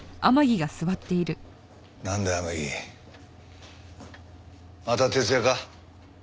なんだよ天樹また徹夜か？